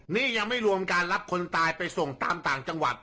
นี่ยังไม่รวมการรับคนตายไปส่งตามต่างจังหวัด